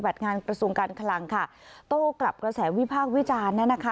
โต๊ะกลับกระแสวิพากษ์วิจารณ์นั้นนะคะ